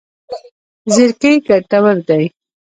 زیرکي ګټور دی.